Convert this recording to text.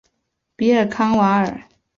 比尔康瓦尔。